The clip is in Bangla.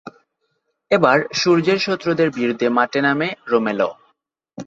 এবার সূর্যের শত্রুদের বিরুদ্ধে মাঠে নামে রোমেলও।